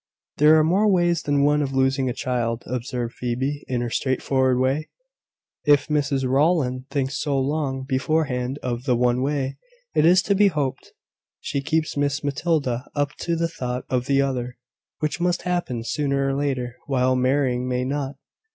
"There are more ways than one of losing a child," observed Phoebe, in her straightforward way. "If Mrs Rowland thinks so long beforehand of the one way, it is to be hoped she keeps Miss Matilda up to the thought of the other, which must happen sooner or later, while marrying may not."